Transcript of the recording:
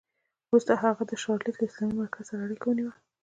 وروسته هغې د شارليټ له اسلامي مرکز سره اړیکه ونیوه